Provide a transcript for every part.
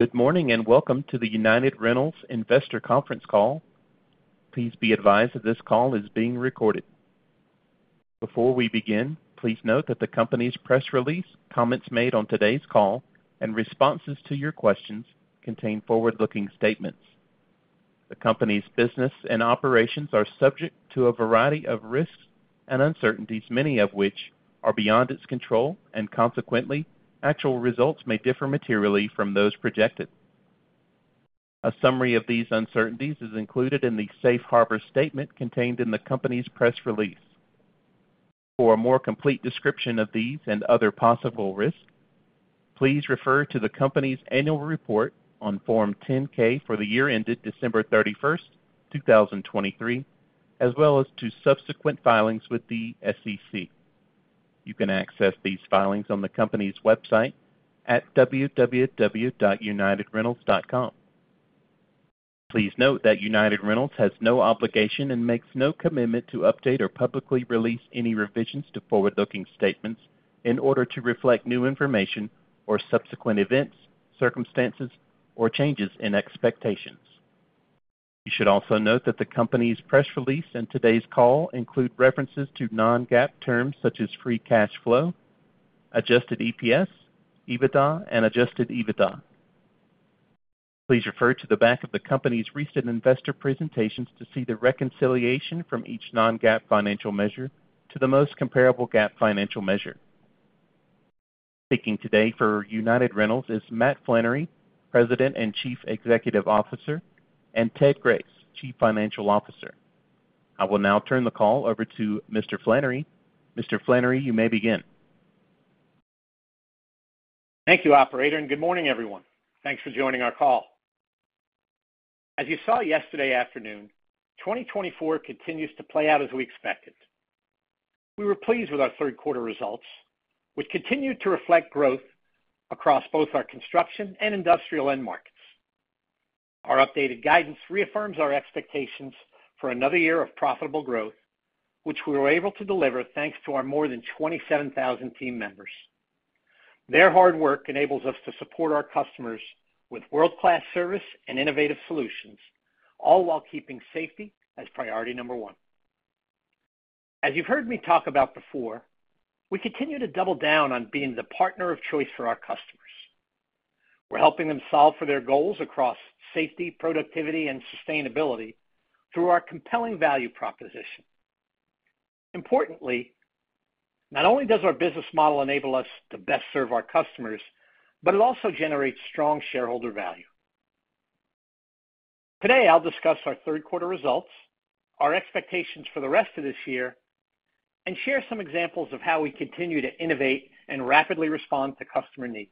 Good morning, and welcome to the United Rentals Investor Conference Call. Please be advised that this call is being recorded. Before we begin, please note that the company's press release, comments made on today's call, and responses to your questions contain forward-looking statements. The company's business and operations are subject to a variety of risks and uncertainties, many of which are beyond its control, and consequently, actual results may differ materially from those projected. A summary of these uncertainties is included in the safe harbor statement contained in the company's press release. For a more complete description of these and other possible risks, please refer to the company's annual report on Form 10-K for the year ended December thirty-first, two thousand and twenty-three, as well as to subsequent filings with the SEC. You can access these filings on the company's website at www.unitedrentals.com. Please note that United Rentals has no obligation and makes no commitment to update or publicly release any revisions to forward-looking statements in order to reflect new information or subsequent events, circumstances, or changes in expectations. You should also note that the company's press release in today's call include references to non-GAAP terms such as free cash flow, Adjusted EPS, EBITDA, and Adjusted EBITDA. Please refer to the back of the company's recent investor presentations to see the reconciliation from each non-GAAP financial measure to the most comparable GAAP financial measure. Speaking today for United Rentals is Matt Flannery, President and Chief Executive Officer, and Ted Grace, Chief Financial Officer. I will now turn the call over to Mr. Flannery. Mr. Flannery, you may begin. Thank you, operator, and good morning, everyone. Thanks for joining our call. As you saw yesterday afternoon, 2024 continues to play out as we expected. We were pleased with our third quarter results, which continued to reflect growth across both our construction and industrial end markets. Our updated guidance reaffirms our expectations for another year of profitable growth, which we were able to deliver thanks to our more than 27,000 team members. Their hard work enables us to support our customers with world-class service and innovative solutions, all while keeping safety as priority number one. As you've heard me talk about before, we continue to double down on being the partner of choice for our customers. We're helping them solve for their goals across safety, productivity, and sustainability through our compelling value proposition. Importantly, not only does our business model enable us to best serve our customers, but it also generates strong shareholder value. Today, I'll discuss our third quarter results, our expectations for the rest of this year, and share some examples of how we continue to innovate and rapidly respond to customer needs,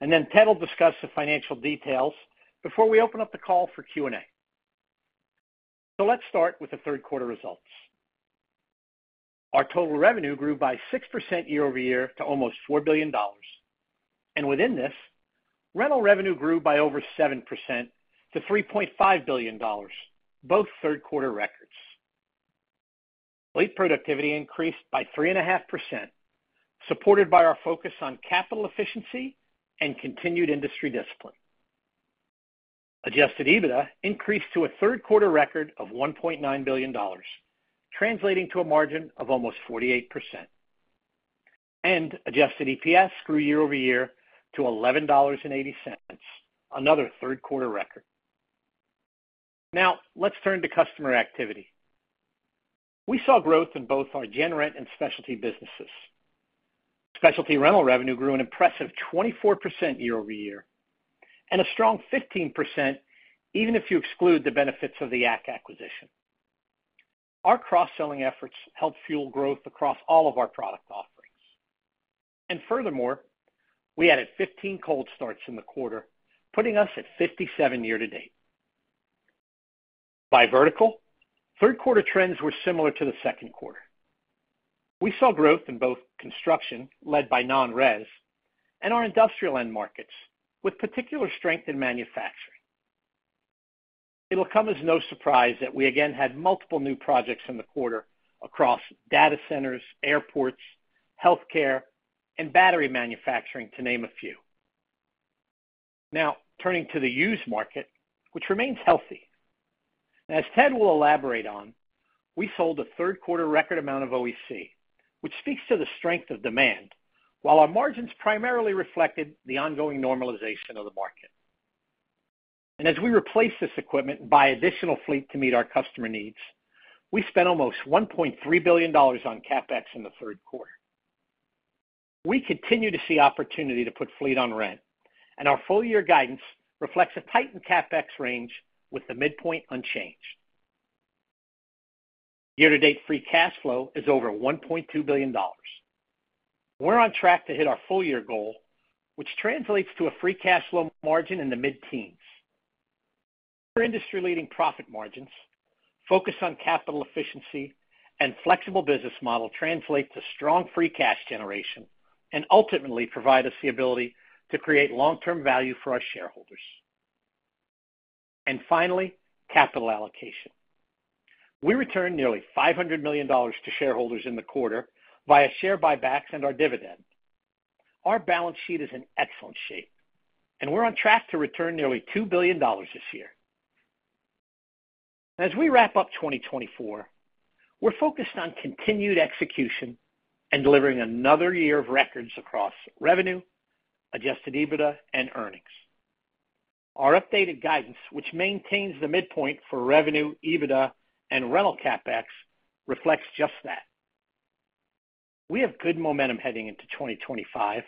and then Ted will discuss the financial details before we open up the call for Q&A, so let's start with the third quarter results. Our total revenue grew by 6% year-over-year to almost $4 billion, and within this, rental revenue grew by over 7% to $3.5 billion, both third-quarter records. Fleet productivity increased by 3.5%, supported by our focus on capital efficiency and continued industry discipline. Adjusted EBITDA increased to a third-quarter record of $1.9 billion, translating to a margin of almost 48%. Adjusted EPS grew year-over-year to $11.80, another third-quarter record. Now, let's turn to customer activity. We saw growth in both our GenRent and specialty businesses. Specialty rental revenue grew an impressive 24% year-over-year, and a strong 15%, even if you exclude the benefits of the Yak acquisition. Our cross-selling efforts helped fuel growth across all of our product offerings, and furthermore, we added 15 cold starts in the quarter, putting us at 57 year to date. By vertical, third quarter trends were similar to the second quarter. We saw growth in both construction, led by non-res, and our industrial end markets, with particular strength in manufacturing. It'll come as no surprise that we again had multiple new projects in the quarter across data centers, airports, healthcare, and battery manufacturing, to name a few. Now, turning to the used market, which remains healthy. As Ted will elaborate on, we sold a third-quarter record amount of OEC, which speaks to the strength of demand, while our margins primarily reflected the ongoing normalization of the market. And as we replace this equipment and buy additional fleet to meet our customer needs, we spent almost $1.3 billion on CapEx in the third quarter. We continue to see opportunity to put fleet on rent, and our full-year guidance reflects a tightened CapEx range with the midpoint unchanged. Year-to-date free cash flow is over $1.2 billion. We're on track to hit our full-year goal, which translates to a free cash flow margin in the mid-teens. Our industry-leading profit margins focus on capital efficiency and flexible business model translate to strong free cash generation and ultimately provide us the ability to create long-term value for our shareholders. Finally, capital allocation. We returned nearly $500 million to shareholders in the quarter via share buybacks and our dividend. Our balance sheet is in excellent shape, and we're on track to return nearly $2 billion this year. As we wrap up 2024, we're focused on continued execution and delivering another year of records across revenue, Adjusted EBITDA, and earnings. Our updated guidance, which maintains the midpoint for revenue, EBITDA, and rental CapEx, reflects just that. We have good momentum heading into 2025,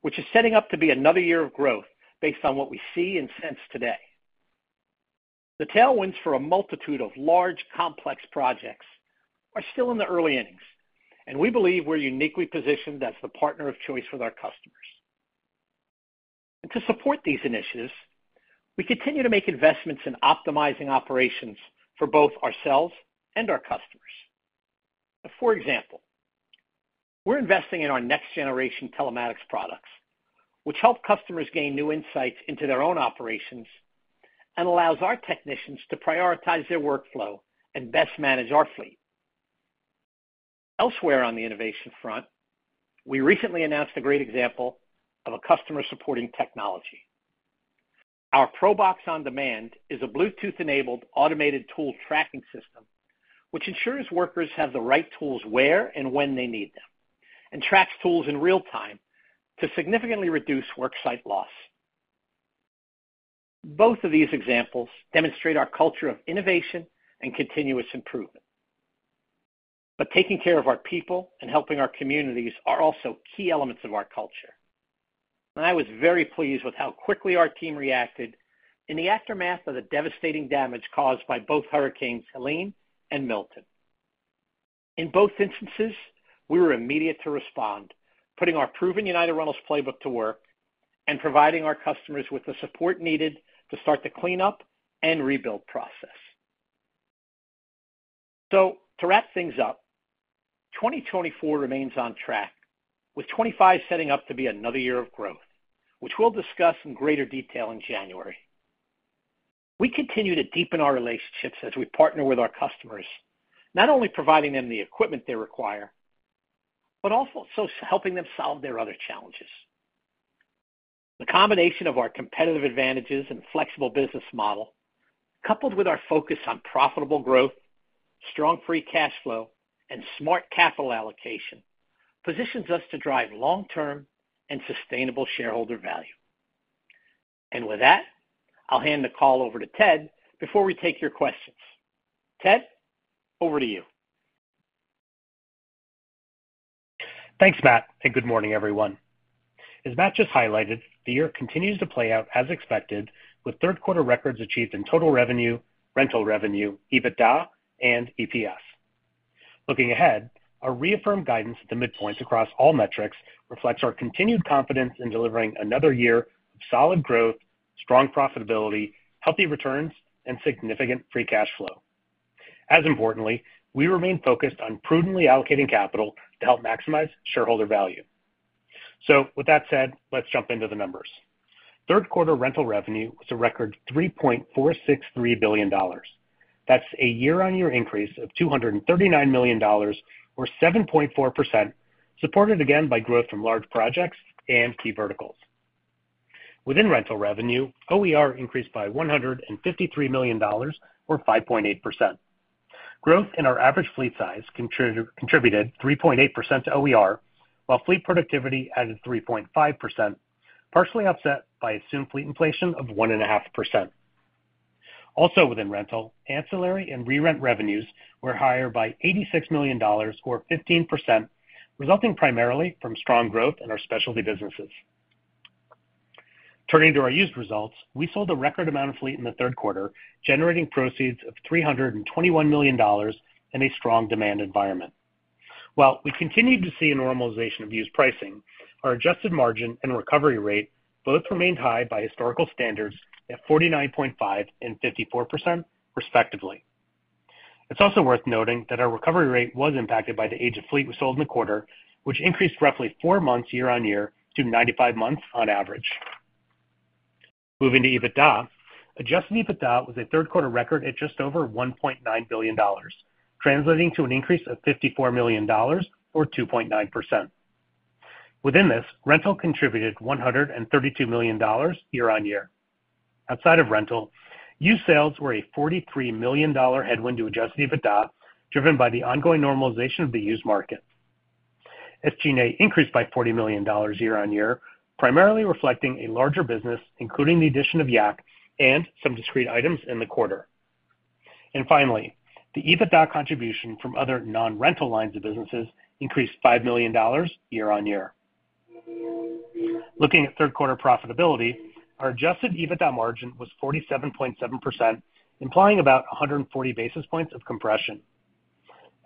which is setting up to be another year of growth based on what we see and sense today. The tailwinds for a multitude of large, complex projects are still in the early innings, and we believe we're uniquely positioned as the partner of choice with our customers, and to support these initiatives, we continue to make investments in optimizing operations for both ourselves and our customers. For example, we're investing in our next-generation telematics products, which help customers gain new insights into their own operations and allows our technicians to prioritize their workflow and best manage our fleet. Elsewhere on the innovation front, we recently announced a great example of a customer-supporting technology. Our ProBox On-Demand is a Bluetooth-enabled automated tool tracking system, which ensures workers have the right tools where and when they need them, and tracks tools in real time to significantly reduce worksite loss. Both of these examples demonstrate our culture of innovation and continuous improvement. But taking care of our people and helping our communities are also key elements of our culture. I was very pleased with how quickly our team reacted in the aftermath of the devastating damage caused by both hurricanes Helene and Milton. In both instances, we were immediate to respond, putting our proven United Rentals playbook to work and providing our customers with the support needed to start the cleanup and rebuild process. So to wrap things up, 2024 remains on track, with 2025 setting up to be another year of growth, which we'll discuss in greater detail in January. We continue to deepen our relationships as we partner with our customers, not only providing them the equipment they require, but also helping them solve their other challenges. The combination of our competitive advantages and flexible business model, coupled with our focus on profitable growth, strong free cash flow, and smart capital allocation, positions us to drive long-term and sustainable shareholder value. And with that, I'll hand the call over to Ted before we take your questions. Ted, over to you. Thanks, Matt, and good morning, everyone. As Matt just highlighted, the year continues to play out as expected, with third quarter records achieved in total revenue, rental revenue, EBITDA, and EPS. Looking ahead, our reaffirmed guidance at the midpoints across all metrics reflects our continued confidence in delivering another year of solid growth, strong profitability, healthy returns, and significant free cash flow. As importantly, we remain focused on prudently allocating capital to help maximize shareholder value. So with that said, let's jump into the numbers. Third quarter rental revenue was a record $3.463 billion. That's a year-on-year increase of $239 million, or 7.4%, supported again by growth from large projects and key verticals. Within rental revenue, OER increased by $153 million, or 5.8%. Growth in our average fleet size contributed 3.8% to OER, while fleet productivity added 3.5%, partially offset by assumed fleet inflation of 1.5%. Also within rental, ancillary and re-rent revenues were higher by $86 million, or 15%, resulting primarily from strong growth in our specialty businesses. Turning to our used results, we sold a record amount of fleet in the third quarter, generating proceeds of $321 million in a strong demand environment. While we continued to see a normalization of used pricing, our adjusted margin and recovery rate both remained high by historical standards at 49.5 and 54% respectively. It's also worth noting that our recovery rate was impacted by the age of fleet we sold in the quarter, which increased roughly four months year-on-year to 95 months on average. Moving to EBITDA. Adjusted EBITDA was a third quarter record at just over $1.9 billion, translating to an increase of $54 million or 2.9%. Within this, rental contributed $132 million year-on-year. Outside of rental, used sales were a $43 million headwind to Adjusted EBITDA, driven by the ongoing normalization of the used market. SG&A increased by $40 million year-on-year, primarily reflecting a larger business, including the addition of Yak and some discrete items in the quarter. And finally, the EBITDA contribution from other non-rental lines of businesses increased $5 million year-on-year. Looking at third quarter profitability, our Adjusted EBITDA margin was 47.7%, implying about 140 basis points of compression.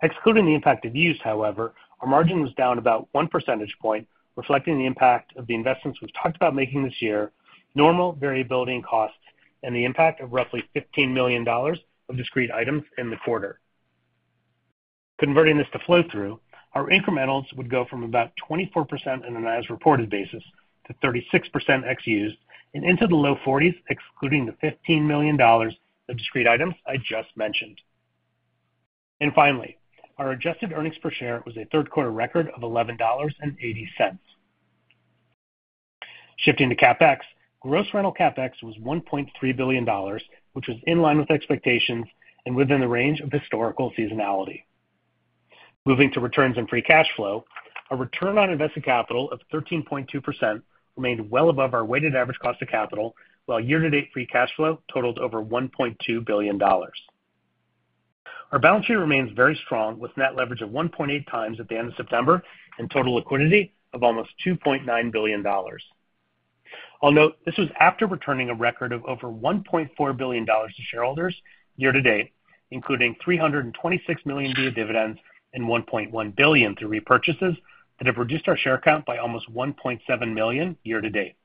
Excluding the impact of used, however, our margin was down about 1 percentage point, reflecting the impact of the investments we've talked about making this year, normal variability in costs, and the impact of roughly $15 million of discrete items in the quarter. Converting this to flow-through, our incrementals would go from about 24% on an as-reported basis to 36% ex-used, and into the low 40s%, excluding the $15 million of discrete items I just mentioned. And finally, our adjusted earnings per share was a third quarter record of $11.80. Shifting to CapEx, gross rental CapEx was $1.3 billion, which was in line with expectations and within the range of historical seasonality. Moving to returns and free cash flow, our return on invested capital of 13.2% remained well above our weighted average cost of capital, while year-to-date free cash flow totaled over $1.2 billion. Our balance sheet remains very strong, with net leverage of 1.8 times at the end of September and total liquidity of almost $2.9 billion. I'll note this was after returning a record of over $1.4 billion to shareholders year to date, including $326 million via dividends and $1.1 billion through repurchases that have reduced our share count by almost 1.7 million year to date.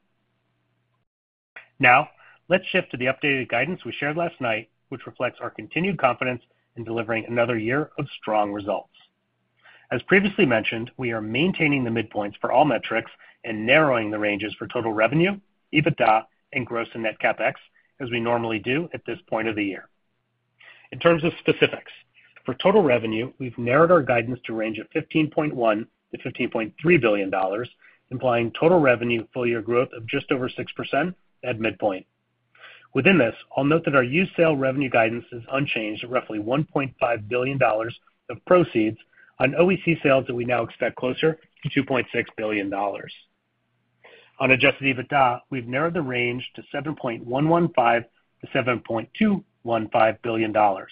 Now, let's shift to the updated guidance we shared last night, which reflects our continued confidence in delivering another year of strong results. As previously mentioned, we are maintaining the midpoints for all metrics and narrowing the ranges for total revenue, EBITDA, and gross and net CapEx, as we normally do at this point of the year. In terms of specifics, for total revenue, we've narrowed our guidance to range of $15.1-$15.3 billion, implying total revenue full year growth of just over 6% at midpoint. Within this, I'll note that our used sale revenue guidance is unchanged at roughly $1.5 billion of proceeds on OEC sales that we now expect closer to $2.6 billion. On Adjusted EBITDA, we've narrowed the range to $7.115-$7.215 billion. Our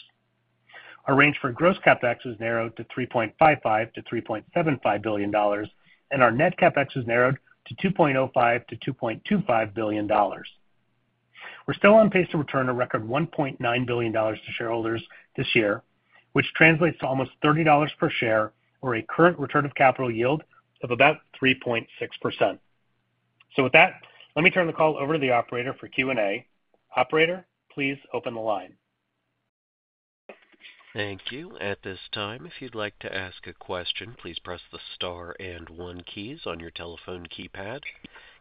range for gross CapEx is narrowed to $3.55-$3.75 billion, and our net CapEx is narrowed to $2.05-$2.25 billion. We're still on pace to return a record $1.9 billion to shareholders this year, which translates to almost $30 per share or a current return of capital yield of about 3.6%. So with that, let me turn the call over to the operator for Q&A. Operator, please open the line. Thank you. At this time, if you'd like to ask a question, please press the star and one keys on your telephone keypad.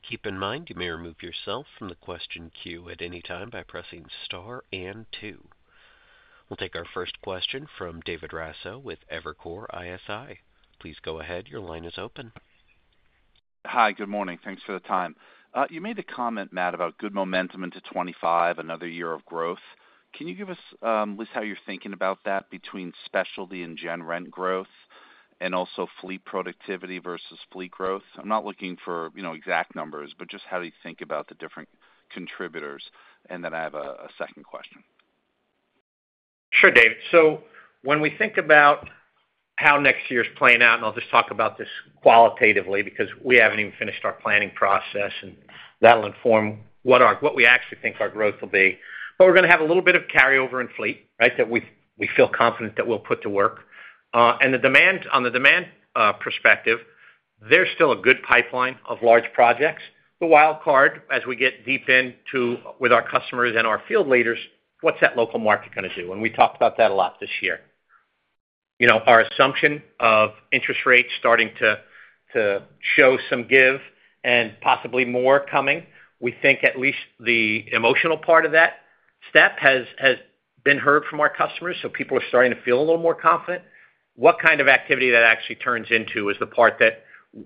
Keep in mind, you may remove yourself from the question queue at any time by pressing star and two. We'll take our first question from David Raso with Evercore ISI. Please go ahead. Your line is open. Hi, good morning. Thanks for the time. You made a comment, Matt, about good momentum into 2025, another year of growth. Can you give us at least how you're thinking about that between specialty and GenRent growth and also fleet productivity versus fleet growth? I'm not looking for, you know, exact numbers, but just how do you think about the different contributors? And then I have a second question. Sure, Dave. So when we think about how next year's playing out, and I'll just talk about this qualitatively, because we haven't even finished our planning process, and that'll inform what our - what we actually think our growth will be. But we're going to have a little bit of carryover in fleet, right? That we feel confident that we'll put to work. And the demand perspective, there's still a good pipeline of large projects. The wild card, as we get deep into with our customers and our field leaders, what's that local market going to do? And we talked about that a lot this year. You know, our assumption of interest rates starting to show some give and possibly more coming, we think at least the emotional part of that step has been heard from our customers, so people are starting to feel a little more confident. What kind of activity that actually turns into is the part that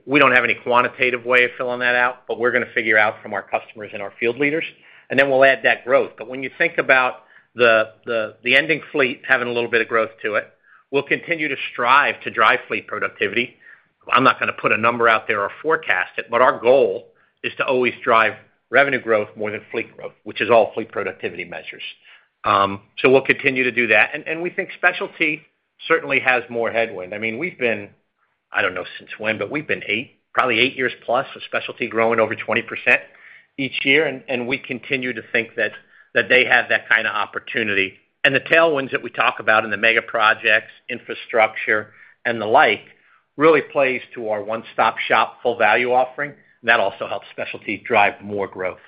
we don't have any quantitative way of filling that out, but we're going to figure out from our customers and our field leaders, and then we'll add that growth. But when you think about the ending fleet having a little bit of growth to it, we'll continue to strive to drive fleet productivity. I'm not going to put a number out there or forecast it, but our goal is to always drive revenue growth more than fleet growth, which is all fleet productivity measures. So we'll continue to do that. And we think specialty certainly has more headwind. I mean, we've been, I don't know since when, but we've been eight, probably eight years plus, of specialty growing over 20% each year, and we continue to think that they have that kind of opportunity. And the tailwinds that we talk about in the mega projects, infrastructure, and the like, really plays to our one-stop shop, full value offering, and that also helps specialty drive more growth.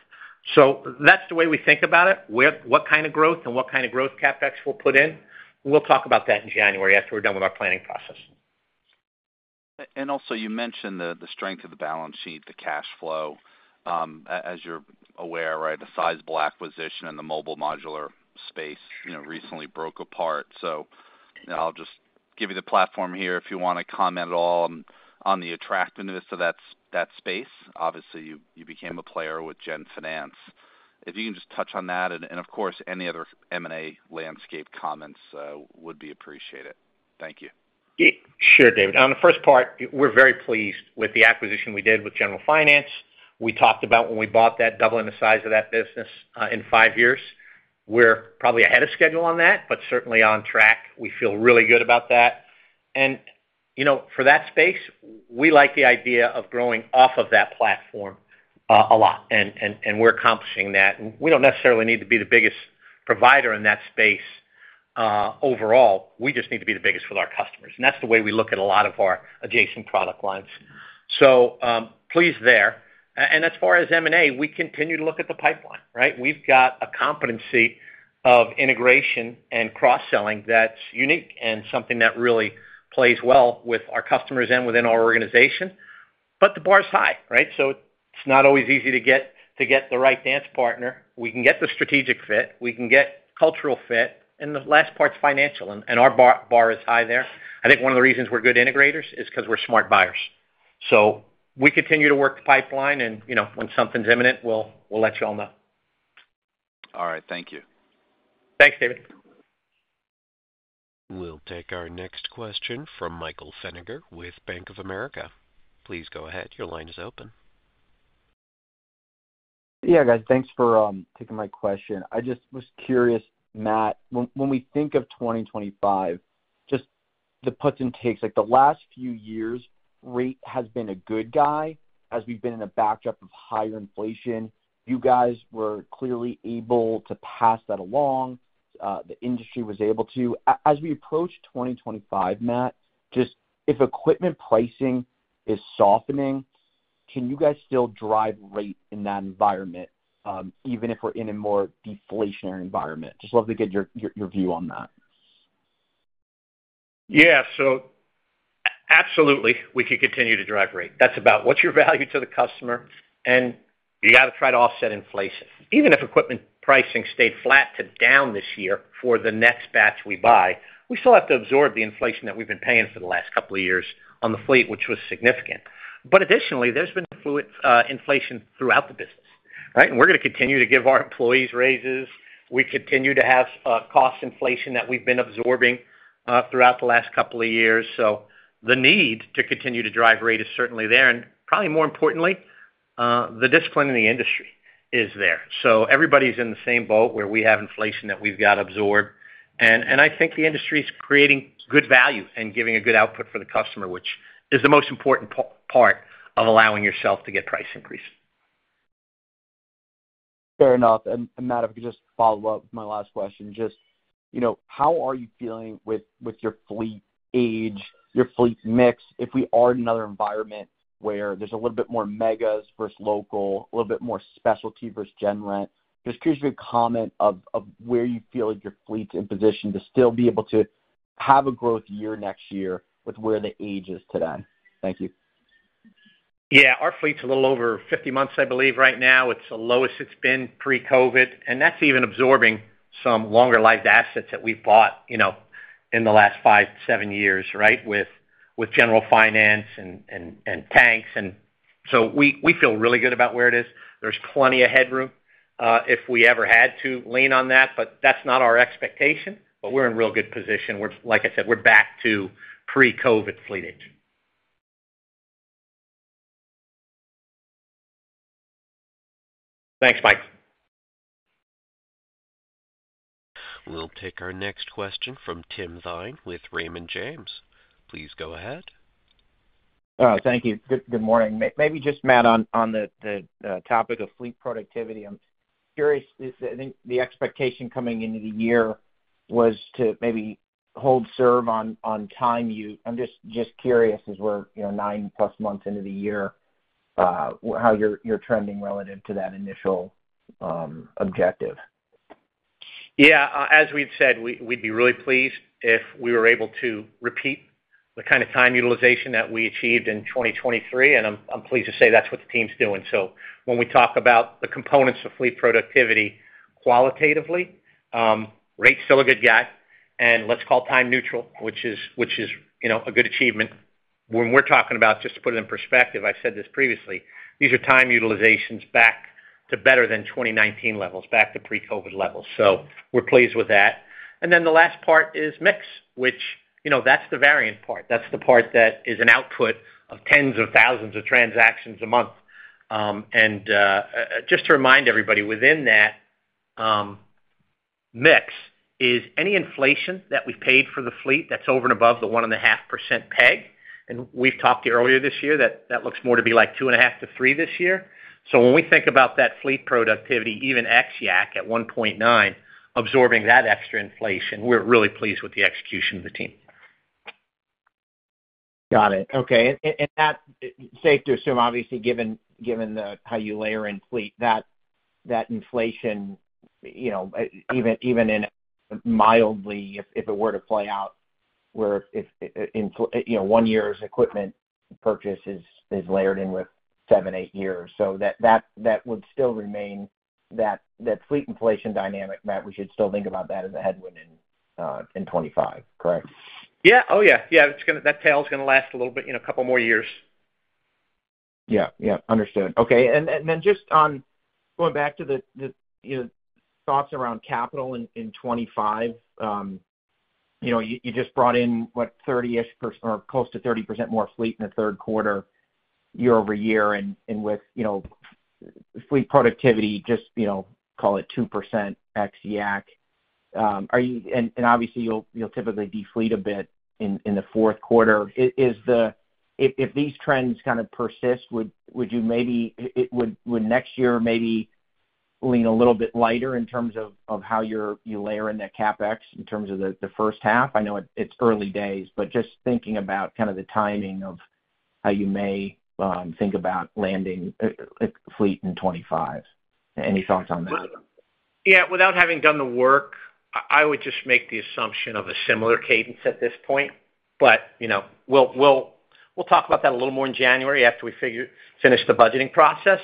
So that's the way we think about it. With what kind of growth and what kind of growth CapEx we'll put in, we'll talk about that in January after we're done with our planning process. And also, you mentioned the strength of the balance sheet, the cash flow. As you're aware, right, a sizable acquisition in the Mobile Modular space, you know, recently broke apart. So I'll just give you the platform here if you want to comment at all on the attractiveness of that space. Obviously, you became a player with Gen Finance. If you can just touch on that and, of course, any other M&A landscape comments would be appreciated. Thank you. Yeah, sure, David. On the first part, we're very pleased with the acquisition we did with General Finance. We talked about when we bought that, doubling the size of that business in five years. We're probably ahead of schedule on that, but certainly on track. We feel really good about that. And, you know, for that space, we like the idea of growing off of that platform a lot, and we're accomplishing that. We don't necessarily need to be the biggest provider in that space overall. We just need to be the biggest with our customers, and that's the way we look at a lot of our adjacent product lines.... So, pleased there. And as far as M&A, we continue to look at the pipeline, right? We've got a competency of integration and cross-selling that's unique and something that really plays well with our customers and within our organization. But the bar is high, right? So it's not always easy to get the right dance partner. We can get the strategic fit, we can get cultural fit, and the last part's financial, and our bar is high there. I think one of the reasons we're good integrators is 'cause we're smart buyers. So we continue to work the pipeline, and, you know, when something's imminent, we'll let you all know. All right. Thank you. Thanks, David. We'll take our next question from Michael Feniger with Bank of America. Please go ahead. Your line is open. Yeah, guys, thanks for taking my question. I just was curious, Matt, when, when we think of twenty twenty-five, just the puts and takes, like, the last few years, rate has been a good guy, as we've been in a backdrop of higher inflation. You guys were clearly able to pass that along. The industry was able to. As we approach twenty twenty-five, Matt, just if equipment pricing is softening, can you guys still drive rate in that environment, even if we're in a more deflationary environment? Just love to get your, your view on that. Yeah. So absolutely, we could continue to drive rate. That's about what's your value to the customer, and you gotta try to offset inflation. Even if equipment pricing stayed flat to down this year for the next batch we buy, we still have to absorb the inflation that we've been paying for the last couple of years on the fleet, which was significant. But additionally, there's been inflation throughout the business, right? And we're gonna continue to give our employees raises. We continue to have cost inflation that we've been absorbing throughout the last couple of years. So the need to continue to drive rate is certainly there, and probably more importantly, the discipline in the industry is there. So everybody's in the same boat where we have inflation that we've got to absorb. I think the industry is creating good value and giving a good output for the customer, which is the most important part of allowing yourself to get price increases. Fair enough. And Matt, if I could just follow up with my last question. Just, you know, how are you feeling with your fleet age, your fleet mix, if we are in another environment where there's a little bit more megas versus local, a little bit more specialty versus GenRent? Just curious your comment of where you feel like your fleet's in position to still be able to have a growth year next year with where the age is today. Thank you. Yeah. Our fleet's a little over fifty months, I believe, right now. It's the lowest it's been pre-COVID, and that's even absorbing some longer-lived assets that we've bought, you know, in the last five to seven years, right, with General Finance and tanks. And so we feel really good about where it is. There's plenty of headroom, if we ever had to lean on that, but that's not our expectation. But we're in real good position. We're like I said, we're back to pre-COVID fleet age. Thanks, Mike. We'll take our next question from Tim Thein with Raymond James. Please go ahead. Thank you. Good morning. Maybe just, Matt, on the topic of fleet productivity, I'm curious. I think the expectation coming into the year was to maybe hold serve on time use. I'm just curious, as we're, you know, nine-plus months into the year, how you're trending relative to that initial objective? Yeah. As we've said, we'd be really pleased if we were able to repeat the kind of time utilization that we achieved in 2023, and I'm pleased to say that's what the team's doing. So when we talk about the components of fleet productivity qualitatively, rate's still a good guy, and let's call time neutral, which is, you know, a good achievement. When we're talking about, just to put it in perspective, I've said this previously, these are time utilizations back to better than 2019 levels, back to pre-COVID levels, so we're pleased with that. And then the last part is mix, which, you know, that's the variant part. That's the part that is an output of tens of thousands of transactions a month. And just to remind everybody, within that mix is any inflation that we've paid for the fleet that's over and above the 1.5% peg, and we've talked to you earlier this year, that looks more to be like 2.5-3% this year. So when we think about that fleet productivity, even ex Yak at 1.9%, absorbing that extra inflation, we're really pleased with the execution of the team. Got it. Okay. And that, safe to assume, obviously, given the how you layer in fleet, that inflation, you know, even mildly, if it were to play out, where in, you know, one year's equipment purchase is layered in with seven, eight years. So that would still remain that fleet inflation dynamic, Matt. We should still think about that as a headwind in 2025, correct? Yeah. Oh, yeah. Yeah, it's gonna... That tail's gonna last a little bit, you know, a couple more years. Yeah, yeah. Understood. Okay, and then just on going back to the, you know, thoughts around capital in twenty twenty-five. You know, you just brought in, what, thirty-ish % or close to 30% more fleet in the third quarter, year-over-year, and with, you know, fleet productivity, just, you know, call it 2% ex Yak. And obviously, you'll typically defleet a bit in the fourth quarter. If these trends kind of persist, would you maybe would next year maybe lean a little bit lighter in terms of how you're you layer in that CapEx in terms of the first half? I know, it's early days, but just thinking about kind of the timing of how you may think about landing fleet in 2025. Any thoughts on that? Yeah, without having done the work, I would just make the assumption of a similar cadence at this point. But, you know, we'll talk about that a little more in January after we finish the budgeting process.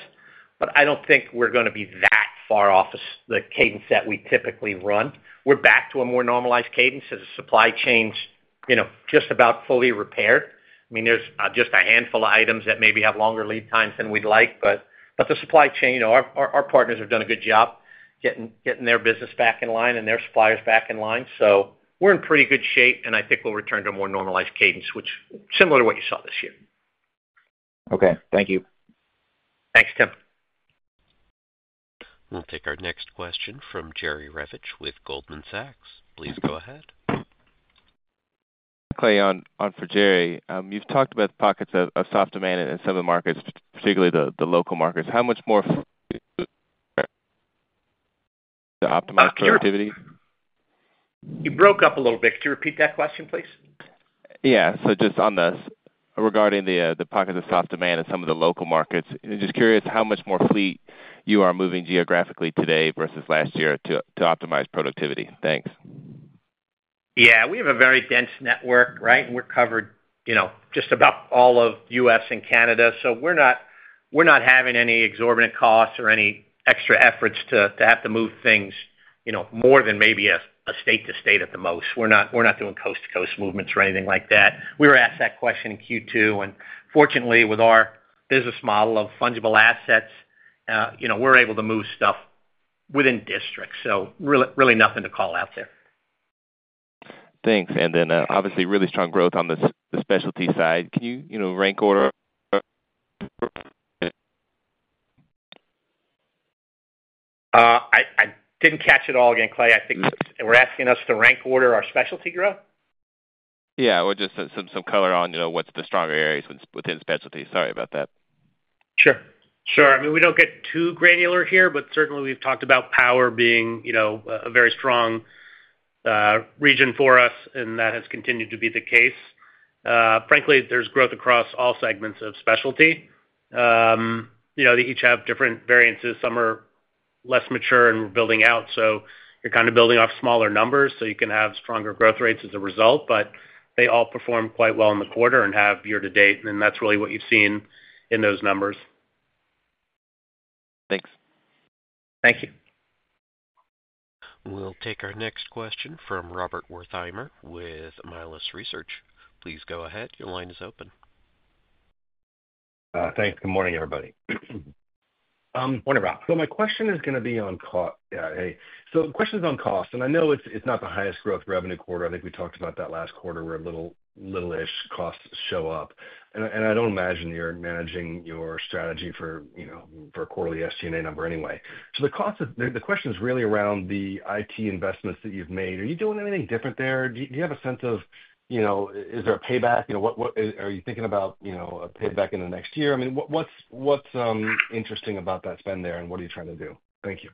But I don't think we're going to be that far off as the cadence that we typically run. We're back to a more normalized cadence as the supply chain's, you know, just about fully repaired. I mean, there's just a handful of items that maybe have longer lead times than we'd like, but the supply chain, our partners have done a good job getting their business back in line and their suppliers back in line. So we're in pretty good shape, and I think we'll return to a more normalized cadence, which similar to what you saw this year. Okay, thank you. Thanks, Tim. We'll take our next question from Jerry Revich with Goldman Sachs. Please go ahead. Clay on for Jerry. You've talked about pockets of soft demand in some of the markets, particularly the local markets. How much more to optimize productivity? You broke up a little bit. Could you repeat that question, please? Yeah. So just on the... Regarding the, the pockets of soft demand in some of the local markets. I'm just curious how much more fleet you are moving geographically today versus last year to optimize productivity? Thanks. Yeah, we have a very dense network, right? We're covered, you know, just about all of U.S. and Canada. So we're not having any exorbitant costs or any extra efforts to have to move things, you know, more than maybe a state to state at the most. We're not doing coast-to-coast movements or anything like that. We were asked that question in Q2, and fortunately, with our business model of fungible assets, you know, we're able to move stuff within districts, so really, really nothing to call out there. Thanks. And then, obviously, really strong growth on the specialty side. Can you, you know, rank order? I didn't catch it all again, Clay. I think you were asking us to rank order our specialty growth? Yeah, or just some color on, you know, what's the stronger areas within specialty? Sorry about that. Sure. Sure. I mean, we don't get too granular here, but certainly, we've talked about power being, you know, a very strong region for us, and that has continued to be the case. Frankly, there's growth across all segments of specialty. You know, they each have different variances. Some are less mature and we're building out, so you're kind of building off smaller numbers, so you can have stronger growth rates as a result, but they all perform quite well in the quarter and have year to date, and that's really what you've seen in those numbers. Thanks. Thank you. We'll take our next question from Rob Wertheimer with Melius Research. Please go ahead. Your line is open. Thanks. Good morning, everybody. Morning, Rob. So my question is going to be on cost. So the question is on cost, and I know it's not the highest growth revenue quarter. I think we talked about that last quarter, where little-ish costs show up. And I don't imagine you're managing your strategy for, you know, for a quarterly SG&A number anyway. The question is really around the IT investments that you've made. Are you doing anything different there? Do you have a sense of, you know, is there a payback? You know, what are you thinking about, you know, a payback in the next year? I mean, what's interesting about that spend there, and what are you trying to do? Thank you.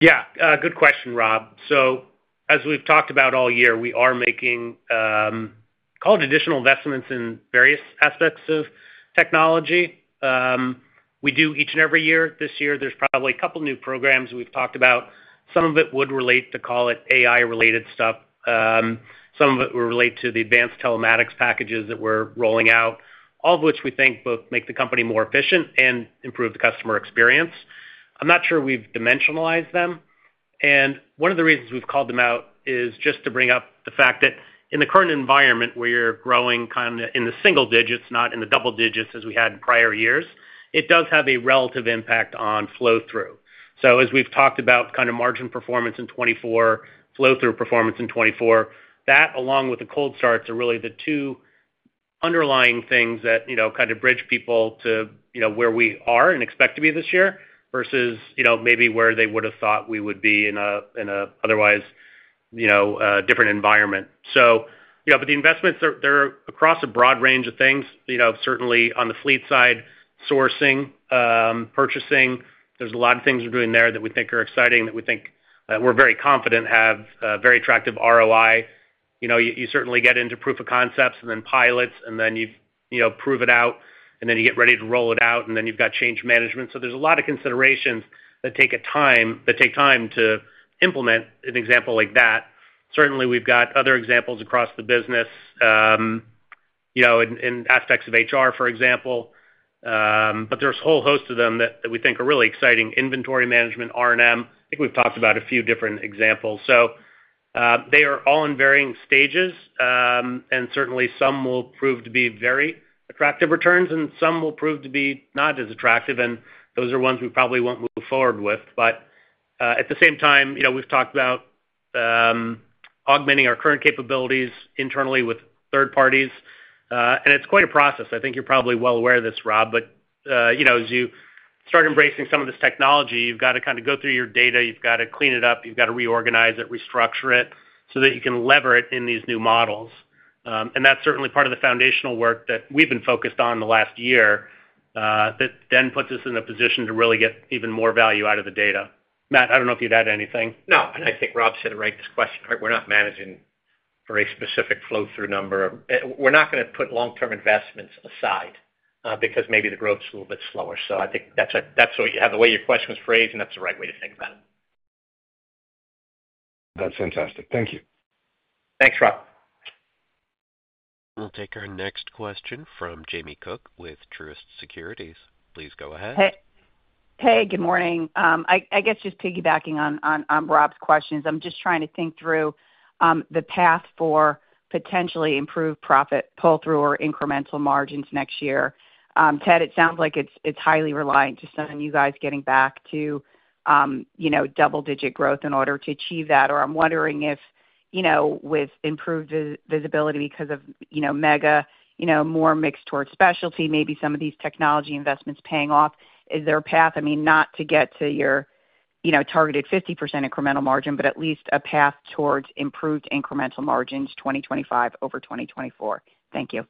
Yeah, good question, Rob. So as we've talked about all year, we are making, call it additional investments in various aspects of technology. We do each and every year. This year, there's probably a couple of new programs we've talked about. Some of it would relate to, call it, AI-related stuff. Some of it would relate to the advanced telematics packages that we're rolling out, all of which we think both make the company more efficient and improve the customer experience. I'm not sure we've dimensionalized them, and one of the reasons we've called them out is just to bring up the fact that in the current environment, we're growing kind of in the single digits, not in the double digits as we had in prior years. It does have a relative impact on flow-through. So as we've talked about kind of margin performance in 2024, flow-through performance in 2024, that, along with the cold starts, are really the two underlying things that, you know, kind of bridge people to, you know, where we are and expect to be this year, versus, you know, maybe where they would have thought we would be in a, in a otherwise, you know, different environment. So, you know, but the investments are, they're across a broad range of things, you know, certainly on the fleet side, sourcing, purchasing. There's a lot of things we're doing there that we think are exciting, that we think, we're very confident have very attractive ROI. You know, you certainly get into proof of concepts and then pilots, and then you, you know, prove it out, and then you get ready to roll it out, and then you've got change management, so there's a lot of considerations that take time to implement an example like that. Certainly, we've got other examples across the business, you know, in aspects of HR, for example, but there's a whole host of them that we think are really exciting. Inventory management, R&M. I think we've talked about a few different examples, so they are all in varying stages, and certainly, some will prove to be very attractive returns, and some will prove to be not as attractive, and those are ones we probably won't move forward with. But, at the same time, you know, we've talked about augmenting our current capabilities internally with third parties, and it's quite a process. I think you're probably well aware of this, Rob, but you know, as you start embracing some of this technology, you've got to kind of go through your data, you've got to clean it up, you've got to reorganize it, restructure it, so that you can lever it in these new models.... And that's certainly part of the foundational work that we've been focused on the last year, that then puts us in a position to really get even more value out of the data. Matt, I don't know if you'd add anything. No, and I think Rob said it right. This question, right, we're not managing for a specific flow-through number. We're not gonna put long-term investments aside, because maybe the growth's a little bit slower. So I think that's the way your question was phrased, and that's the right way to think about it. That's fantastic. Thank you. Thanks, Rob. We'll take our next question from Jamie Cook with Truist Securities. Please go ahead. Hey. Hey, good morning. I guess just piggybacking on Rob's questions, I'm just trying to think through the path for potentially improved profit pull-through or incremental margins next year. Ted, it sounds like it's highly reliant to some of you guys getting back to, you know, double-digit growth in order to achieve that. Or I'm wondering if, you know, with improved visibility because of, you know, mega, you know, more mixed towards specialty, maybe some of these technology investments paying off, is there a path, I mean, not to get to your, you know, targeted 50% incremental margin, but at least a path towards improved incremental margins, 2025 over 2024? Thank you.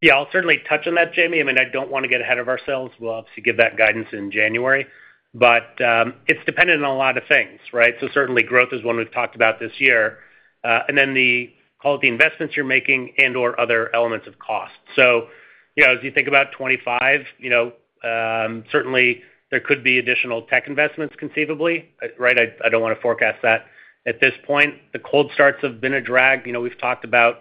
Yeah, I'll certainly touch on that, Jamie. I mean, I don't want to get ahead of ourselves. We'll obviously give that guidance in January, but it's dependent on a lot of things, right? So certainly, growth is one we've talked about this year, and then the, call it, the investments you're making and/or other elements of cost. So, you know, as you think about 2025, you know, certainly there could be additional tech investments conceivably, right? I don't want to forecast that at this point. The cold starts have been a drag. You know, we've talked about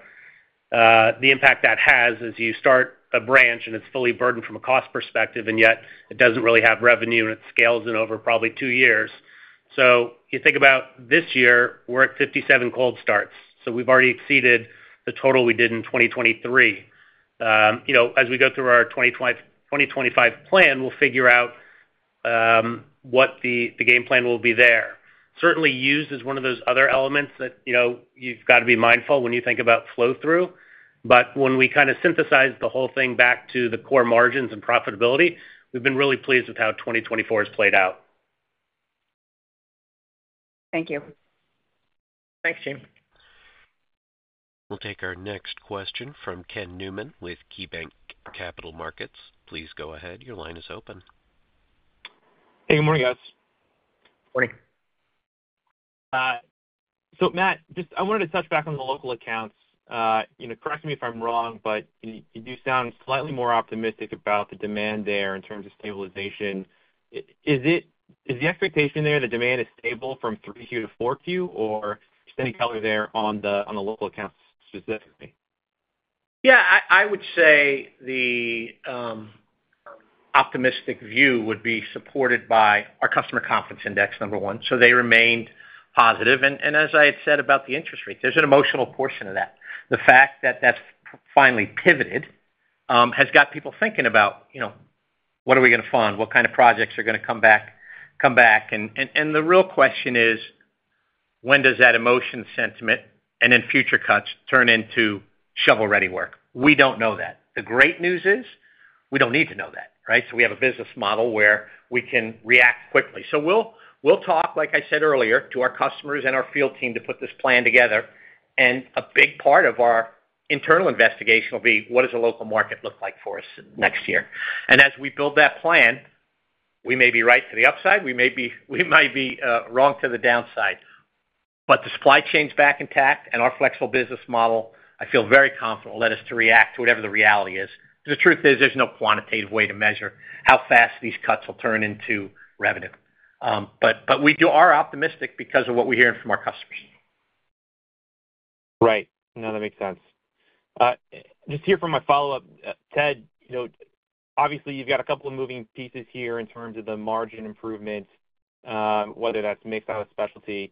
the impact that has as you start a branch, and it's fully burdened from a cost perspective, and yet it doesn't really have revenue, and it scales in over probably two years. So you think about this year, we're at 57 cold starts, so we've already exceeded the total we did in 2023. You know, as we go through our 2025 plan, we'll figure out what the game plan will be there. Certainly, used is one of those other elements that, you know, you've got to be mindful when you think about flow-through. But when we kind of synthesize the whole thing back to the core margins and profitability, we've been really pleased with how 2024 has played out. Thank you. Thanks, Jamie. We'll take our next question from Ken Newman with KeyBank Capital Markets. Please go ahead. Your line is open. Hey, good morning, guys. Morning. So Matt, just... I wanted to touch back on the local accounts. You know, correct me if I'm wrong, but you do sound slightly more optimistic about the demand there in terms of stabilization. Is it the expectation there that demand is stable from 3Q to 4Q, or just any color there on the local accounts specifically? Yeah, I would say the optimistic view would be supported by our customer confidence index, number one, so they remained positive, and as I had said about the interest rates, there's an emotional portion of that. The fact that that's finally pivoted has got people thinking about, you know, what are we gonna fund? What kind of projects are gonna come back, and the real question is, when does that emotion sentiment and then future cuts turn into shovel-ready work? We don't know that. The great news is we don't need to know that, right, so we have a business model where we can react quickly. So we'll talk, like I said earlier, to our customers and our field team to put this plan together, and a big part of our internal investigation will be, what does a local market look like for us next year? And as we build that plan, we may be right to the upside, we might be wrong to the downside. But the supply chain's back intact, and our flexible business model, I feel very confident, will let us to react to whatever the reality is. The truth is, there's no quantitative way to measure how fast these cuts will turn into revenue. But we are optimistic because of what we're hearing from our customers. Right. No, that makes sense. Just here for my follow-up, Ted, you know, obviously, you've got a couple of moving pieces here in terms of the margin improvements, whether that's mixed out with specialty.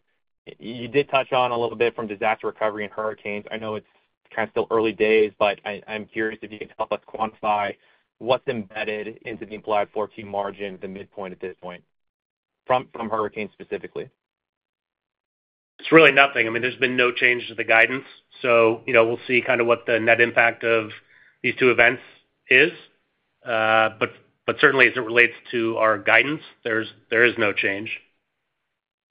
You did touch on a little bit from disaster recovery and hurricanes. I know it's kind of still early days, but I'm curious if you could help us quantify what's embedded into the implied fourteen margin, the midpoint at this point, from hurricanes specifically. It's really nothing. I mean, there's been no change to the guidance, so, you know, we'll see kind of what the net impact of these two events is. But certainly, as it relates to our guidance, there is no change.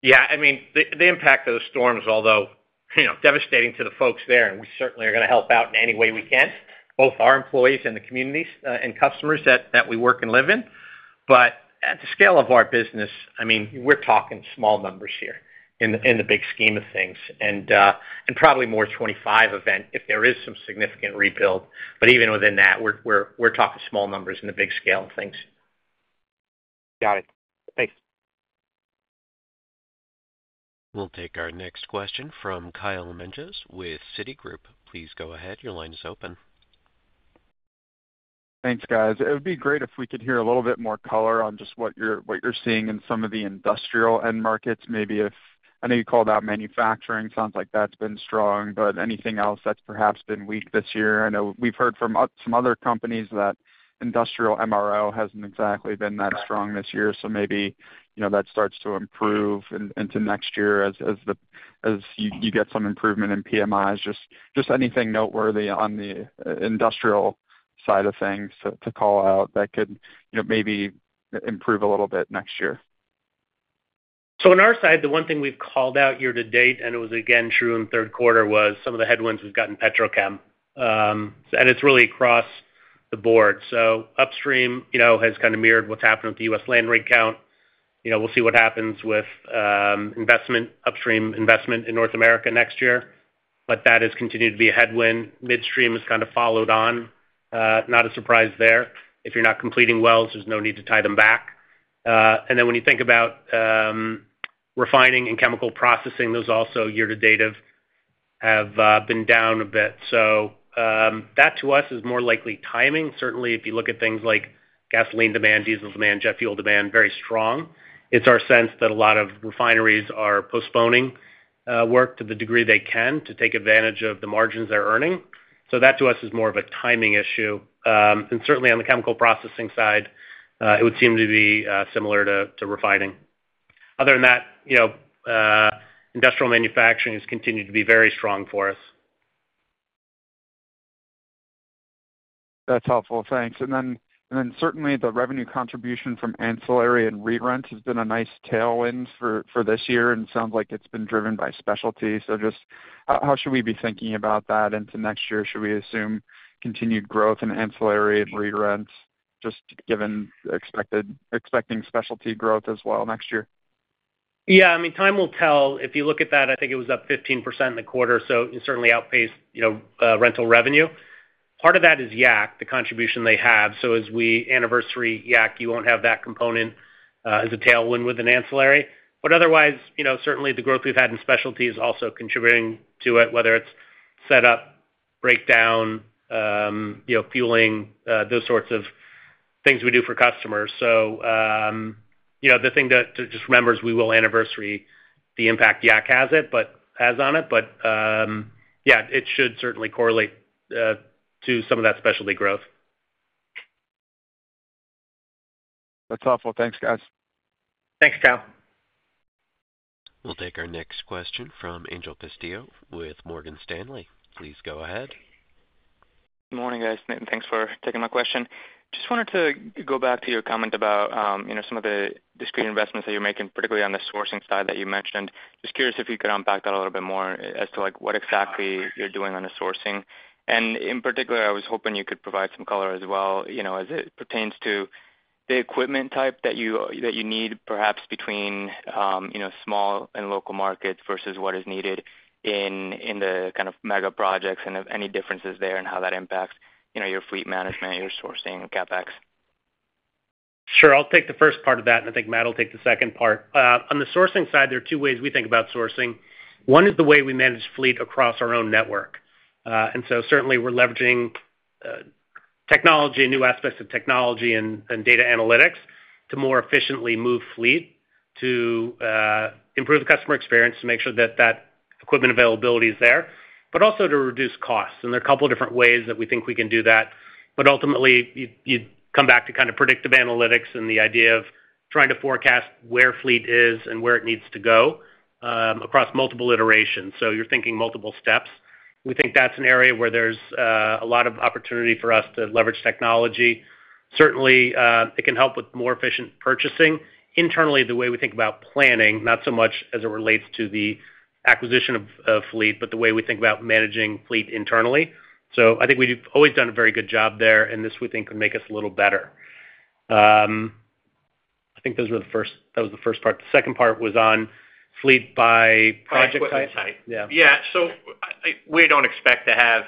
Yeah, I mean, the impact of those storms, although, you know, devastating to the folks there, and we certainly are gonna help out in any way we can, both our employees and the communities, and customers that we work and live in. But at the scale of our business, I mean, we're talking small numbers here in the big scheme of things, and probably more 2025 event if there is some significant rebuild. But even within that, we're talking small numbers in the big scale of things. Got it. Thanks. We'll take our next question from Kyle Menges with Citigroup. Please go ahead. Your line is open. Thanks, guys. It would be great if we could hear a little bit more color on just what you're seeing in some of the industrial end markets. Maybe I know you called out manufacturing, sounds like that's been strong, but anything else that's perhaps been weak this year? I know we've heard from some other companies that industrial MRO hasn't exactly been that strong this year, so maybe, you know, that starts to improve into next year as you get some improvement in PMIs. Just anything noteworthy on the industrial side of things to call out that could, you know, maybe improve a little bit next year? So on our side, the one thing we've called out year to date, and it was again true in the third quarter, was some of the headwinds we've got in petrochem. And it's really across the board. So upstream, you know, has kind of mirrored what's happened with the U.S. land rig count. You know, we'll see what happens with investment, upstream investment in North America next year, but that has continued to be a headwind. Midstream has kind of followed on, not a surprise there. If you're not completing wells, there's no need to tie them back. And then when you think about refining and chemical processing, those also year to date have been down a bit. So that to us is more likely timing. Certainly, if you look at things like gasoline demand, diesel demand, jet fuel demand, very strong. It's our sense that a lot of refineries are postponing work to the degree they can to take advantage of the margins they're earning. So that, to us, is more of a timing issue. And certainly on the chemical processing side, it would seem to be similar to refining. Other than that, you know, industrial manufacturing has continued to be very strong for us. That's helpful. Thanks. And then certainly the revenue contribution from ancillary and re-rent has been a nice tailwind for this year and sounds like it's been driven by specialty. So just how should we be thinking about that into next year? Should we assume continued growth in ancillary and re-rent, just given expecting specialty growth as well next year? Yeah, I mean, time will tell. If you look at that, I think it was up 15% in the quarter, so it certainly outpaced, you know, rental revenue. Part of that is Yak, the contribution they have. So as we anniversary Yak, you won't have that component, as a tailwind with an ancillary. But otherwise, you know, certainly the growth we've had in specialty is also contributing to it, whether it's setup, breakdown, you know, fueling, those sorts of things we do for customers. So, you know, the thing to just remember is we will anniversary the impact Yak has on it. But, yeah, it should certainly correlate to some of that specialty growth. That's helpful. Thanks, guys. Thanks, Kyle. We'll take our next question from Angel Castillo with Morgan Stanley. Please go ahead. Good morning, guys. Thanks for taking my question. Just wanted to go back to your comment about, you know, some of the discrete investments that you're making, particularly on the sourcing side that you mentioned. Just curious if you could unpack that a little bit more as to, like, what exactly you're doing on the sourcing. And in particular, I was hoping you could provide some color as well, you know, as it pertains to the equipment type that you need, perhaps between, you know, small and local markets versus what is needed in the kind of mega projects, and if any differences there and how that impacts, you know, your fleet management, your sourcing CapEx. Sure. I'll take the first part of that, and I think Matt will take the second part. On the sourcing side, there are two ways we think about sourcing. One is the way we manage fleet across our own network. And so certainly we're leveraging technology and new aspects of technology and data analytics to more efficiently move fleet, to improve the customer experience, to make sure that that equipment availability is there, but also to reduce costs, and there are a couple of different ways that we think we can do that. But ultimately, you come back to kind of predictive analytics and the idea of trying to forecast where fleet is and where it needs to go across multiple iterations. So you're thinking multiple steps. We think that's an area where there's a lot of opportunity for us to leverage technology. Certainly, it can help with more efficient purchasing. Internally, the way we think about planning, not so much as it relates to the acquisition of fleet, but the way we think about managing fleet internally. So I think we've always done a very good job there, and this, we think, could make us a little better. I think that was the first part. The second part was on fleet by project type? Equipment type. Yeah. Yeah, so we don't expect to have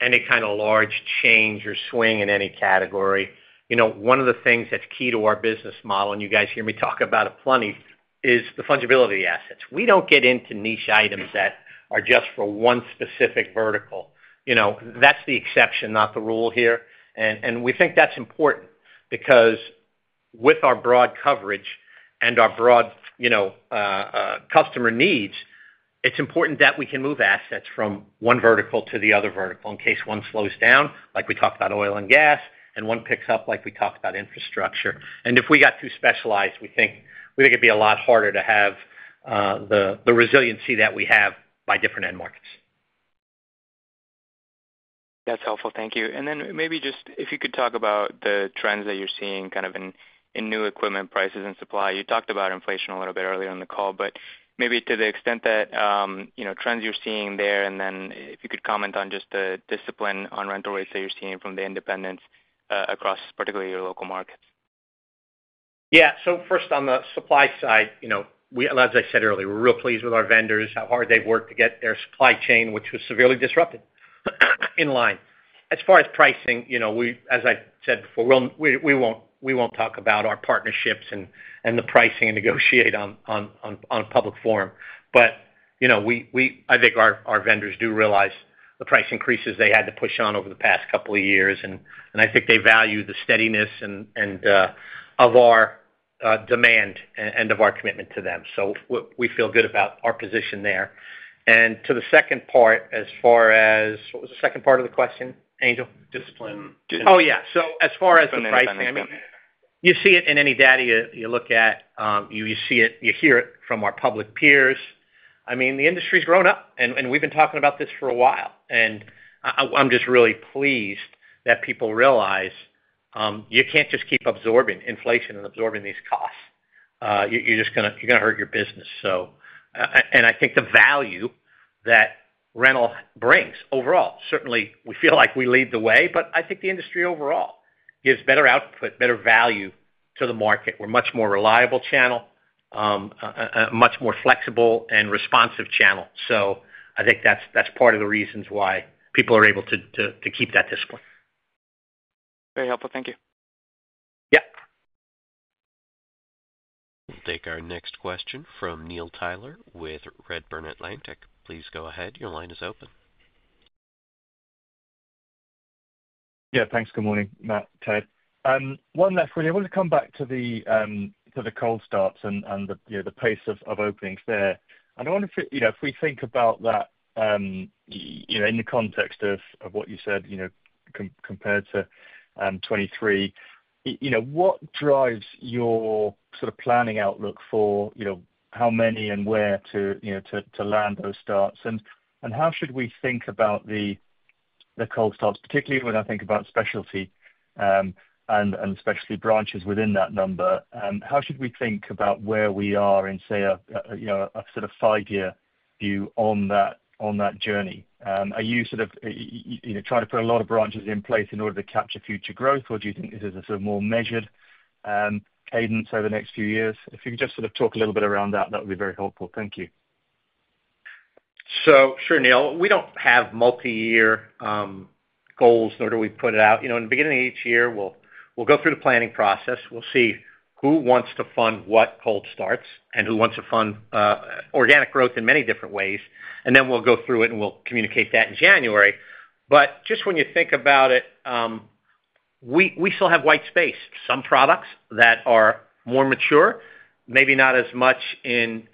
any kind of large change or swing in any category. You know, one of the things that's key to our business model, and you guys hear me talk about it plenty, is the fungible assets. We don't get into niche items that are just for one specific vertical. You know, that's the exception, not the rule here. And we think that's important because with our broad coverage and our broad, you know, customer needs, it's important that we can move assets from one vertical to the other vertical in case one slows down, like we talked about oil and gas, and one picks up, like we talked about infrastructure. And if we got too specialized, we think it'd be a lot harder to have the resiliency that we have by different end markets. That's helpful. Thank you. And then maybe just if you could talk about the trends that you're seeing kind of in new equipment prices and supply. You talked about inflation a little bit earlier on the call, but maybe to the extent that, you know, trends you're seeing there, and then if you could comment on just the discipline on rental rates that you're seeing from the independents, across particularly your local markets. Yeah. So first, on the supply side, you know, as I said earlier, we're real pleased with our vendors, how hard they've worked to get their supply chain, which was severely disrupted, in line. As far as pricing, you know, as I said before, we won't talk about our partnerships and the pricing and negotiate on public forum. But, you know, I think our vendors do realize the price increases they had to push on over the past couple of years, and I think they value the steadiness and of our demand and of our commitment to them, so we feel good about our position there, and to the second part, as far as what was the second part of the question, Angel? Discipline. Oh, yeah. So as far as the pricing, you see it in any data you look at, you see it, you hear it from our public peers. I mean, the industry's grown up, and we've been talking about this for a while, and I'm just really pleased that people realize you can't just keep absorbing inflation and absorbing these costs. You're just gonna hurt your business. So, and I think the value that rental brings overall, certainly we feel like we lead the way, but I think the industry overall gives better output, better value to the market. We're a much more reliable channel, a much more flexible and responsive channel. So I think that's part of the reasons why people are able to keep that discipline. Very helpful. Thank you. Yeah. We'll take our next question from Neil Tyler with Redburn Atlantic. Please go ahead. Your line is open. Yeah, thanks. Good morning, Matt, Ted. One last one. I want to come back to the cold starts and the you know the pace of openings there. And I wonder if you know if we think about that you know in the context of what you said you know compared to 2023 you know what drives your sort of planning outlook for you know how many and where to you know to land those starts? And how should we think about the cold starts, particularly when I think about specialty and specialty branches within that number how should we think about where we are in say a you know a sort of five-year view on that journey? Are you sort of, you know, trying to put a lot of branches in place in order to capture future growth, or do you think this is a sort of more measured cadence over the next few years? If you could just sort of talk a little bit around that, that would be very helpful. Thank you. So sure, Neil, we don't have multiyear goals, nor do we put it out. You know, in the beginning of each year, we'll go through the planning process. We'll see who wants to fund what cold starts and who wants to fund organic growth in many different ways, and then we'll go through it, and we'll communicate that in January. But just when you think about it, we still have white space. Some products that are more mature, maybe not as much in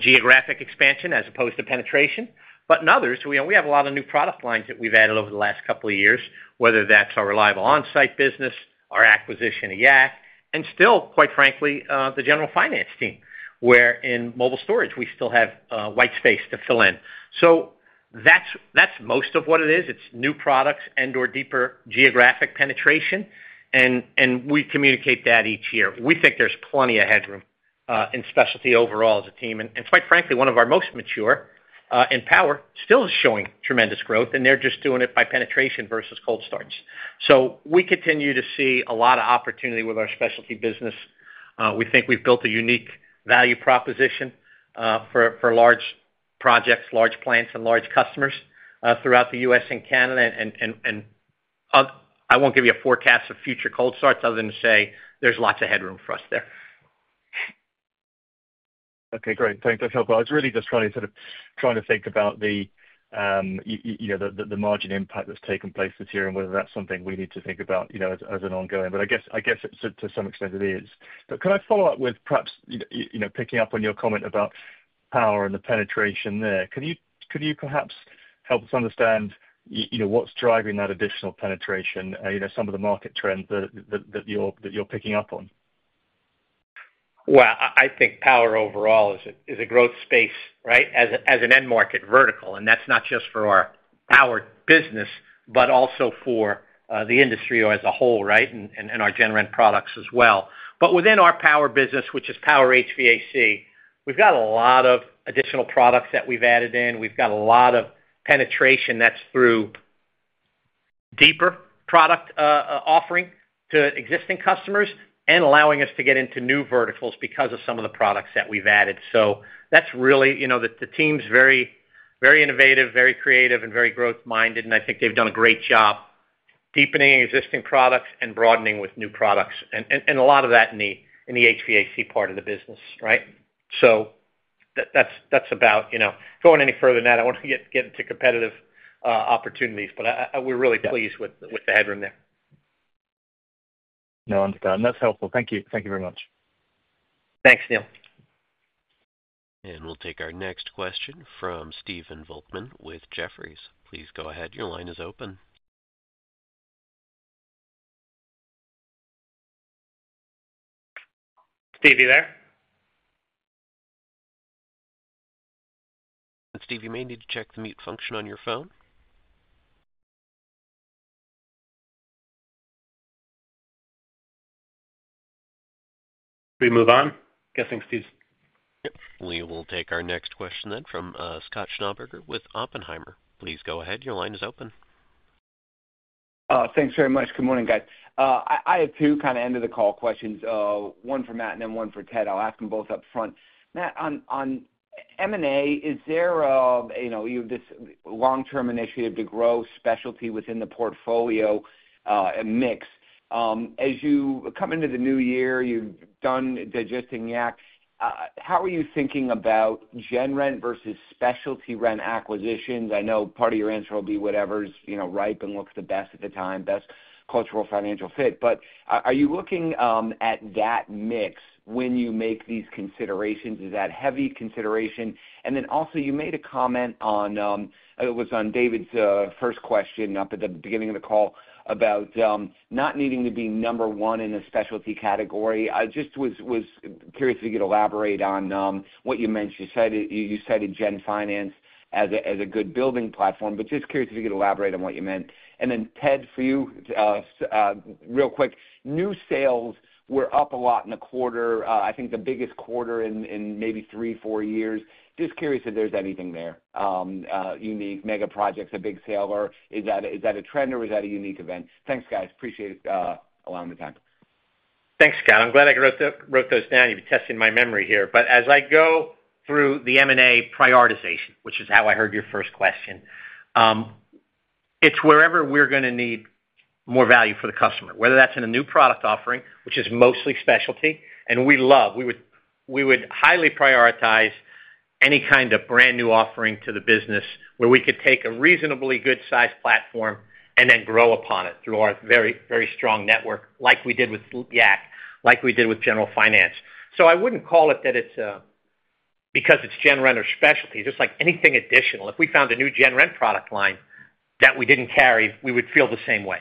geographic expansion as opposed to penetration, but in others, we have a lot of new product lines that we've added over the last couple of years, whether that's our Reliable Onsite business, our acquisition of Yak, and still, quite frankly, the General Finance team, where in mobile storage, we still have white space to fill in. That's most of what it is. It's new products and/or deeper geographic penetration, and we communicate that each year. We think there's plenty of headroom in specialty overall as a team. Quite frankly, one of our most mature in power still is showing tremendous growth, and they're just doing it by penetration versus cold starts. We continue to see a lot of opportunity with our specialty business. We think we've built a unique value proposition for large projects, large plants, and large customers throughout the US and Canada. I won't give you a forecast for future cold starts other than to say there's lots of headroom for us there. Okay, great. Thanks. That's helpful. I was really just trying to sort of, trying to think about the, you know, the, the margin impact that's taken place this year and whether that's something we need to think about, you know, as, as an ongoing. But I guess, it's to some extent it is. But can I follow up with perhaps, you know, picking up on your comment about power and the penetration there? Could you perhaps help us understand, you know, what's driving that additional penetration, you know, some of the market trends that you're picking up on? Well, I think power overall is a growth space, right? As an end market vertical, and that's not just for our power business, but also for the industry as a whole, right? And our GenRent products as well. But within our power business, which is Power & HVAC, we've got a lot of additional products that we've added in. We've got a lot of penetration that's through deeper product offering to existing customers and allowing us to get into new verticals because of some of the products that we've added. So that's really, you know, the team's very innovative, very creative, and very growth-minded, and I think they've done a great job deepening existing products and broadening with new products and a lot of that in the HVAC part of the business, right? So that's about... you know, going any further than that, I don't want to get into competitive opportunities, but I, we're really pleased with the headroom there. No, understood, and that's helpful. Thank you. Thank you very much. Thanks, Neil. We'll take our next question from Stephen Volkmann with Jefferies. Please go ahead. Your line is open. Steve, you there? Steve, you may need to check the mute function on your phone. We move on? Guessing Steve's- Yep. We will take our next question then from, Scott Schneeberger with Oppenheimer. Please go ahead. Your line is open. Thanks very much. Good morning, guys. I have two kind of end-of-the-call questions, one for Matt and then one for Ted. I'll ask them both up front. Matt, on M&A, is there a, you know, you have this long-term initiative to grow specialty within the portfolio mix. As you come into the new year, you've done digesting the acquisition. How are you thinking about GenRent versus specialty rent acquisitions? I know part of your answer will be whatever's, you know, ripe and looks the best at the time, best cultural, financial fit. But are you looking at that mix when you make these considerations? Is that heavy consideration? And then also, you made a comment on it was on David's first question up at the beginning of the call about not needing to be number one in a specialty category. I just was curious if you could elaborate on what you meant. You cited General Finance as a good building platform, but just curious if you could elaborate on what you meant. And then, Ted, for you, real quick, new sales were up a lot in the quarter. I think the biggest quarter in maybe three, four years. Just curious if there's anything there, unique mega projects, a big sale, or is that a trend, or is that a unique event? Thanks, guys. Appreciate allowing the time. Thanks, Scott. I'm glad I wrote those down. You've been testing my memory here. But as I go through the M&A prioritization, which is how I heard your first question, it's wherever we're gonna need more value for the customer, whether that's in a new product offering, which is mostly specialty, and we love. We would highly prioritize any kind of brand-new offering to the business where we could take a reasonably good-sized platform and then grow upon it through our very, very strong network, like we did with Yak, like we did with General Finance. So I wouldn't call it that it's because it's GenRent or specialty, just like anything additional. If we found a new GenRent product line that we didn't carry, we would feel the same way.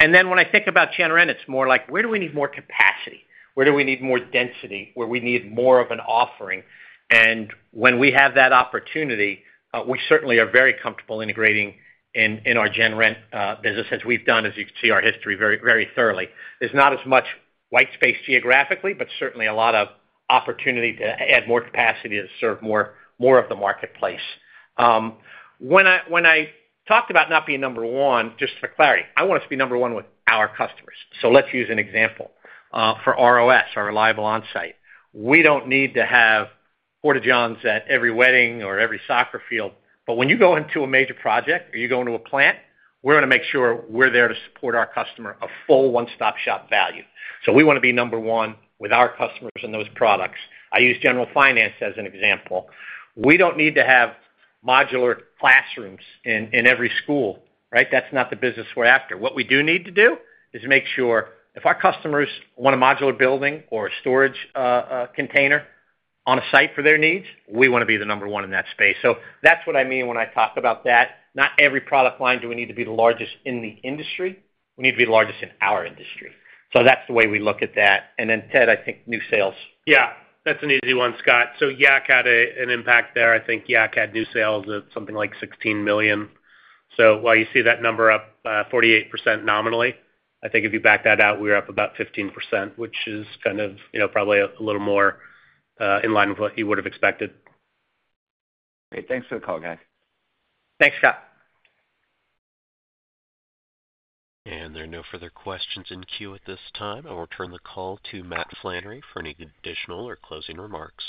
And then when I think about GenRent, it's more like, where do we need more capacity? Where do we need more density, where we need more of an offering? And when we have that opportunity, we certainly are very comfortable integrating in our GenRent business, as we've done, as you can see, our history very, very thoroughly. There's not as much white space geographically, but certainly a lot of opportunity to add more capacity to serve more of the marketplace. When I talked about not being number one, just for clarity, I want us to be number one with our customers. So let's use an example. For ROS, our Reliable Onsite, we don't need to have Porta-Johns at every wedding or every soccer field. But when you go into a major project or you go into a plant, we're gonna make sure we're there to support our customer, a full one-stop-shop value. So we wanna be number one with our customers in those products. I use General Finance as an example. We don't need to have modular classrooms in every school, right? That's not the business we're after. What we do need to do is make sure if our customers want a modular building or a storage container on a site for their needs, we wanna be the number one in that space. So that's what I mean when I talk about that. Not every product line do we need to be the largest in the industry. We need to be the largest in our industry. So that's the way we look at that. And then, Ted, I think new sales. Yeah, that's an easy one, Scott. So Yak had an impact there. I think Yak had new sales of something like $16 million. So while you see that number up 48% nominally, I think if you back that out, we're up about 15%, which is kind of, you know, probably a little more in line with what you would have expected. Great. Thanks for the call, guys. Thanks, Scott. There are no further questions in queue at this time. I will turn the call to Matt Flannery for any additional or closing remarks.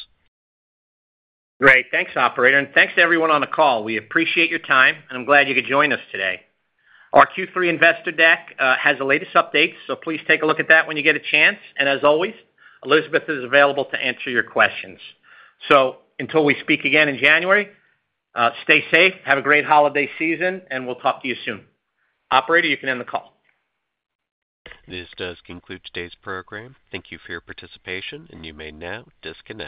Great. Thanks, operator, and thanks to everyone on the call. We appreciate your time, and I'm glad you could join us today. Our Q3 investor deck has the latest updates, so please take a look at that when you get a chance, and as always, Elizabeth is available to answer your questions, so until we speak again in January, stay safe, have a great holiday season, and we'll talk to you soon. Operator, you can end the call. This does conclude today's program. Thank you for your participation, and you may now disconnect.